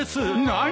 何？